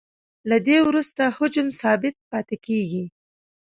له دې وروسته حجم ثابت پاتې کیږي